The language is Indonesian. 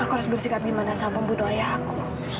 aku harus bersikap gimana sama membunuh ayah aku